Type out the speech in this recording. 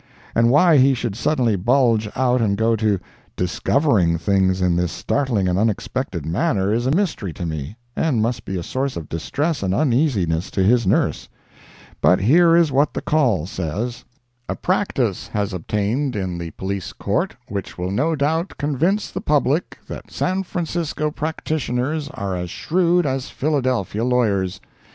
And why he should suddenly bulge out and go to "discovering" things in this startling and unexpected manner, is a mystery to me, and must be a source of distress and uneasiness to his nurse. But here is what the Call says: A practice has obtained in the Police Court, which will no doubt convince the public that San Francisco practitioners are as shrewd as 'Philadelphia lawyers.'